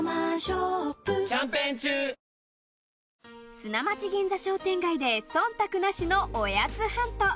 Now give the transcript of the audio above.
砂町銀座商店街で忖度なしのおやつハント。